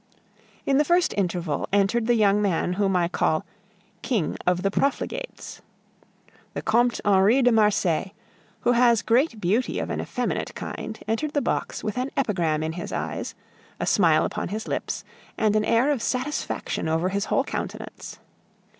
In the first interval entered the young man whom I call "king of the profligates." The Comte Henri de Marsay, who has great beauty of an effeminate kind, entered the box with an epigram in his eyes, a smile upon his lips, and an air of satisfaction over his whole countenance.